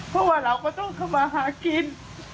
เพราะว่าเราก็ต้องเข้ามาหากิน